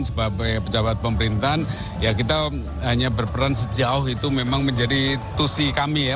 sebagai pejabat pemerintahan ya kita hanya berperan sejauh itu memang menjadi tusi kami ya